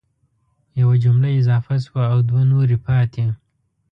یوه جمله اضافه شوه او دوه نورې پاتي